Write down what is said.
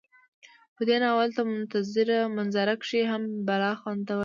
په دې ناول ته منظره کشي هم بلا خوندوره وه